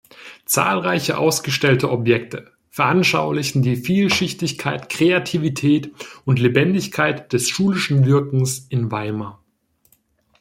Zahlreiche ausgestellte Objekte veranschaulichen die Vielschichtigkeit, Kreativität und Lebendigkeit des schulischen Wirkens in Weimar.